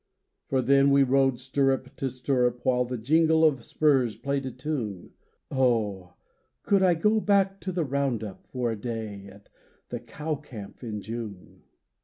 For then we rode stirrup to stirrup, While the jingle of spurs played a tune; Oh! could I go back to the round up For a day at the cow camp in June.